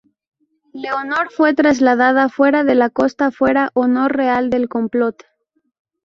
Leonor fue trasladada fuera de la costa fuera o no real el complot.